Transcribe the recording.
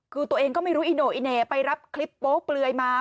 คือตัวเองก็ไม่รู้อิโน่อีเหน่ไปรับคลิปโป๊เปลือยมา